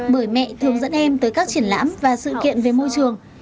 bởi mẹ thường dẫn em tới các triển lãm và sự kiện về môi trường